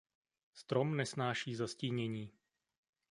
Strom nesnáší zastínění.